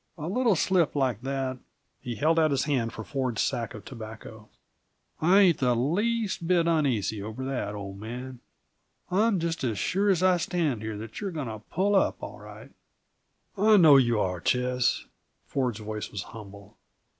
A little slip like that " He held out his hand for Ford's sack of tobacco. "I ain't the least bit uneasy over that, old man. I'm just as sure as I stand here that you're going to pull up, all right." "I know you are, Ches." Ford's voice was humble.